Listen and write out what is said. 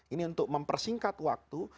ini untuk mempersingkat waktu